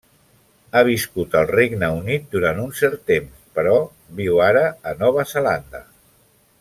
Ha viscut al Regne Unit durant un cert temps, però viu ara a Nova Zelanda.